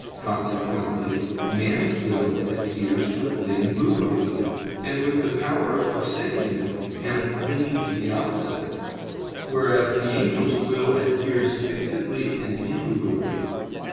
Consequently man's will adheres to a thing movably, and with the power of forsaking it and of clinging to the opposite; whereas the angel's will adheres fixedly and immovably.